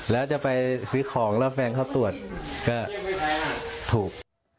แล้วจะไปซื้อของแล้วแฟนเขาตรวจก็ถูก